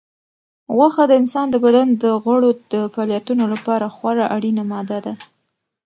غوښه د انسان د بدن د غړو د فعالیتونو لپاره خورا اړینه ماده ده.